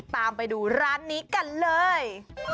ตามไปดูร้านนี้กันเลย